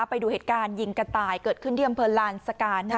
ไปดูเหตุการณ์ยิงกระต่ายเกิดขึ้นที่อำเภอลานสการ